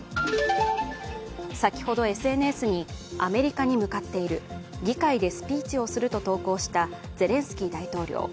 先ほどＳＮＳにアメリカに向かっている議会でスピーチをすると投稿したゼレンスキー大統領。